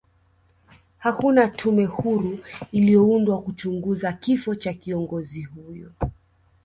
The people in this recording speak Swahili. hakuna tume huru iliyoundwa kuchunguza kifo cha kiongozi huyo